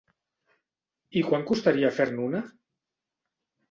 I quant costaria fer-ne una?